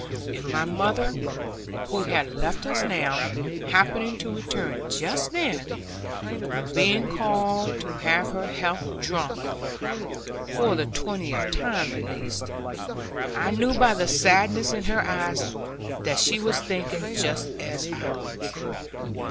And my mother, who had left us now, happening to return just then, being called to have her health drunk (for the twentieth time at least), I knew by the sadness in her eyes that she was thinking just as I was.